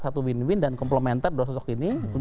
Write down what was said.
satu win win dan komplementer dua sosok ini